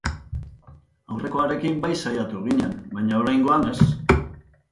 Aurrekoarekin bai saiatu ginen, baina oraingoan ez.